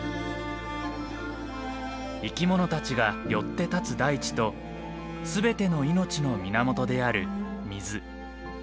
生き物たちがよって立つ大地と全ての命の源である水。